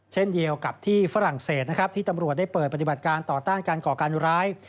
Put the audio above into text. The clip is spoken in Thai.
เช่นเดียวกับที่ฝรั่งเศสนะครับที่ตำรวจได้เปิดปฏิบัติการต่อต้านการก่อการร้าย